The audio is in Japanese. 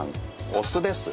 お酢です